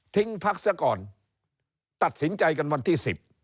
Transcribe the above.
พักเสียก่อนตัดสินใจกันวันที่๑๐